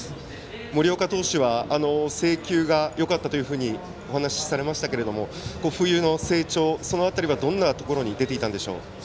森岡投手は制球がよかったとお話されましたが冬の成長、その辺りはどんなところに出ていましたか。